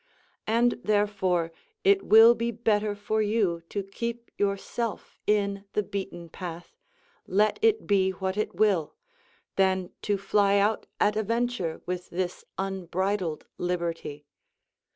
And therefore it will be better for you to keep yourself in the beaten path, let it be what it will, than to fly out at a venture with this unbridled liberty.